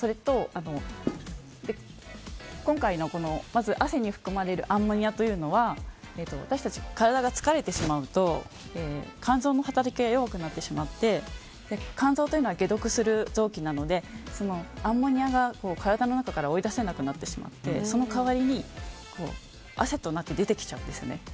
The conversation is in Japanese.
今回の汗に含まれるアンモニアというのは私たち体が疲れてしまうと肝臓の働きが弱くなってしまって肝臓というのは解毒する臓器なのでアンモニアが体の中から追い出せなくなってしまってその代わりに汗となって出てきちゃうんです。